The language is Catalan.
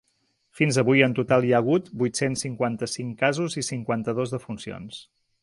Fins avui en total hi ha hagut vuit-cents cinquanta-cinc casos i cinquanta-dos defuncions.